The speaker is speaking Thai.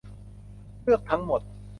เลือกทั้งหมด